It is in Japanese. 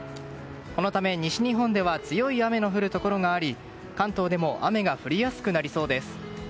このため、西日本では強い雨の降るところがあり関東でも雨が降りやすくなりそうです。